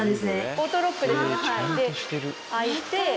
オートロックですねはいで開いて。